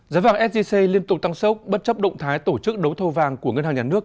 giá vàng sgc liên tục tăng sốc bất chấp động thái tổ chức đấu thầu vàng của ngân hàng nhà nước